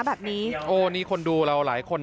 แบบนี้โอ้นี่คนดูเราหลายคน